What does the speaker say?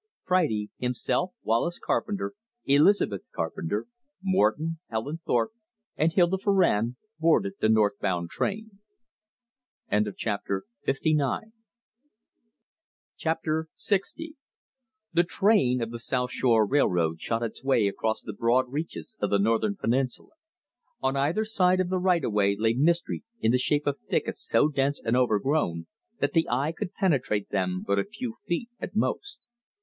Friday, himself, Wallace Carpenter, Elizabeth Carpenter, Morton, Helen Thorpe, and Hilda Farrand boarded the north bound train. Chapter LX The train of the South Shore Railroad shot its way across the broad reaches of the northern peninsula. On either side of the right of way lay mystery in the shape of thickets so dense and overgrown that the eye could penetrate them but a few feet at most.